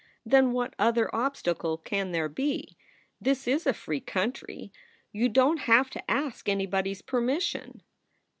"Then what other obstacle can there be? This is a free country. You don t have to ask anybody s permission?"